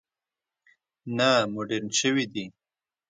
نه مډرن شوي دي.